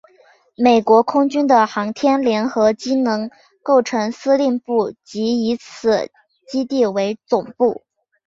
美国空军的航天联合机能构成司令部即以此基地为总部。